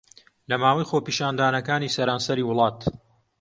لە ماوەی خۆپیشاندانەکانی سەرانسەری وڵات